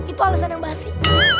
itu alasan yang basi